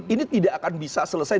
ini tidak akan bisa selesai